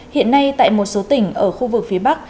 hiện nay tại một số tỉnh ở khu vực phía bắc